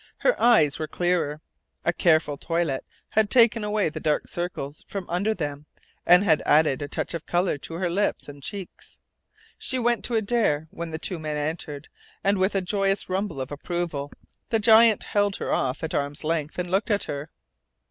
Her eyes were clearer. A careful toilette had taken away the dark circles from under them and had added a touch of colour to her lips and cheeks. She went to Adare when the two men entered, and with a joyous rumble of approval the giant held her off at arm's length and looked at her.